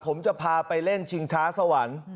ผมจะพาไปเล่นชิงช้าสวรรค์